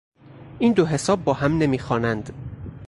این دو حساب با هم نمی خوانند.